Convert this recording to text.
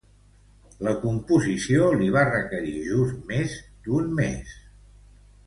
La composició li va requerir just més d'un mes.